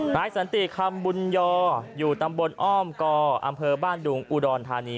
นายสันติคำบุญยออยู่ตำบลอ้อมกออำเภอบ้านดุงอุดรธานี